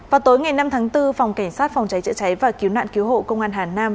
vào tối ngày năm tháng bốn phòng cảnh sát phòng cháy chữa cháy và cứu nạn cứu hộ công an hà nam